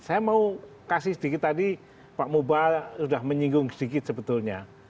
saya mau kasih sedikit tadi pak mubal sudah menyinggung sedikit sebetulnya